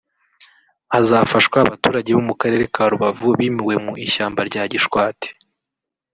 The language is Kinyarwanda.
hazafashwa abaturage bo mu karere ka Rubavu bimuwe mu ishyamba rya Gishwati